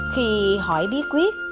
khi hỏi bí quyết